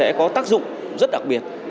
bộ luật này sẽ có tác dụng rất đặc biệt